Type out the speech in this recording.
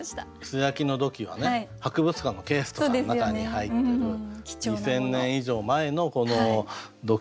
素焼きの土器は博物館のケースとかの中に入ってる２，０００年以上前の土器なんですけどね。